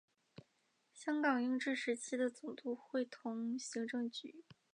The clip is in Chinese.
香港英治时期的总督会同行政局。